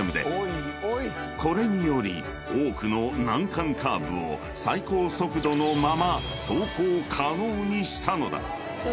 ［これにより多くの難関カーブを最高速度のまま走行可能にしたのだ］